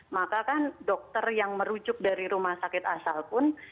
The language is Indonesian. maka kan dokter yang merujuk dari rumah sakit asal pun